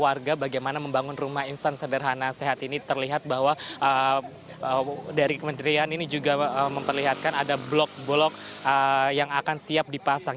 warga bagaimana membangun rumah insan sederhana sehat ini terlihat bahwa dari kementerian ini juga memperlihatkan ada blok blok yang akan siap dipasang